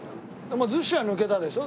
もう逗子は抜けたでしょ？